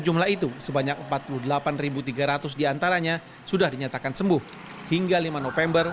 jumlah itu sebanyak empat puluh delapan tiga ratus diantaranya sudah dinyatakan sembuh hingga lima november